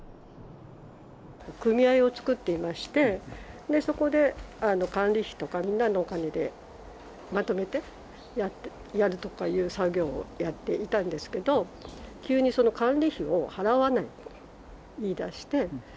組合を作っていまして、そこで管理費とかみんなのお金で、まとめてやるとかいう作業をやっていたんですけど、急にその管理費を払わないと言い出して。